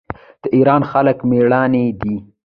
د ایران خلک میړني دي.